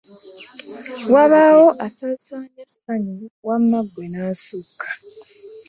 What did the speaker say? Wabaawo asaasaanya essanyu wama gwe nasuka!